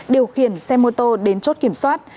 điều khiển xe mô tô đến chốt kiểm soát